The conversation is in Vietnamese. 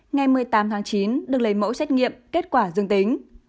ngày một mươi tám tháng chín được lấy mẫu xét nghiệm kết quả dương tính